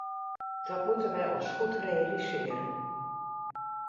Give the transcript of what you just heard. Dat moeten wij ons goed realiseren.